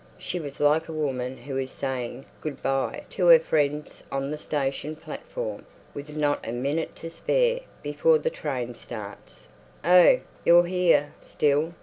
She was like a woman who is saying "good bye" to her friends on the station platform, with not a minute to spare before the train starts. "Oh, you're here, still.